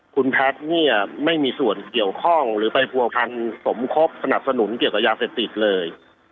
คุณแพทย์เนี่ยไม่มีส่วนเกี่ยวข้องหรือไปผัวพันสมคบสนับสนุนเกี่ยวกับยาเสพติดเลย